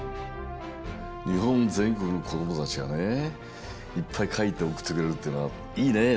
にほんぜんこくのこどもたちがねいっぱいかいておくってくれるっていうのはいいねえ。